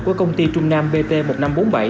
của công ty trung nam ptm